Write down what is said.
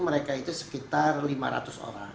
mereka itu sekitar lima ratus orang